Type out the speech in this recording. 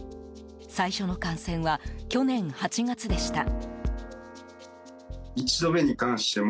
最初の感染は、去年８月でした。